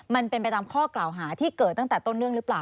มันเป็นไปตามข้อกล่าวหาที่เกิดตั้งแต่ต้นเรื่องหรือเปล่า